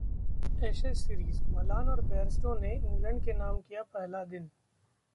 Ashes series: Malan और Bairstow ने England के नाम किया पहला दिन